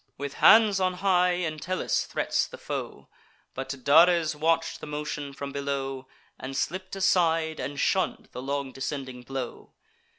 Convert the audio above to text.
With hands on high, Entellus threats the foe; But Dares watch'd the motion from below, And slipp'd aside, and shunn'd the long descending blow.